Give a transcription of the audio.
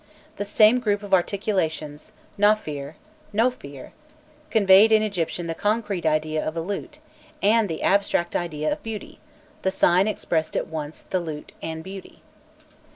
The same group of articulations, Naûfir, Nofir, conveyed in Egyptian the concrete idea of a lute and the abstract idea of beauty; the sign expressed at once the lute and beauty.